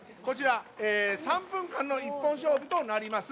３分間の１本勝負となります。